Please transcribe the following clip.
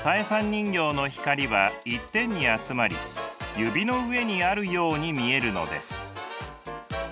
人形の光は一点に集まり指の上にあるように見えるのです。